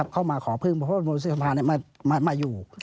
เข้ามาขอเพิ่มประโยชน์โมทสิทธิ์สำคัญมาอยู่